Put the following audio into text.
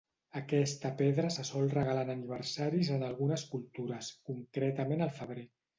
Aquesta pedra se sol regalar en aniversaris en algunes cultures, concretament al febrer.